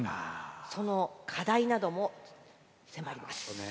その課題なども迫ります。